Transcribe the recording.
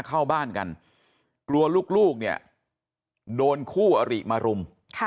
เข้าบ้านกันกลัวลูกเนี่ยโดนคู่อริมารุม